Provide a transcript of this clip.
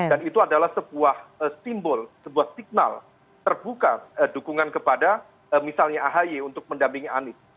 dan itu adalah sebuah simbol sebuah signal terbuka dukungan kepada misalnya ahaya untuk mendampingi anies